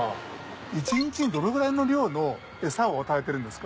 １日にどのぐらいの量のエサを与えてるんですか？